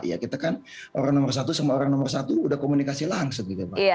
ya kita kan orang nomor satu sama orang nomor satu udah komunikasi langsung gitu pak